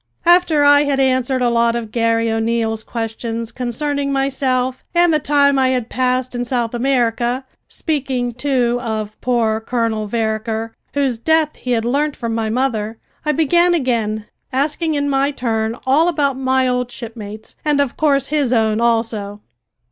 After I had answered a lot of Garry O'Neil's questions concerning myself and the time I had passed in South America, speaking, too, of poor Colonel Vereker, whose death he had learnt from my mother, I began again, asking in my turn all about my old shipmates, and, of course, his own also.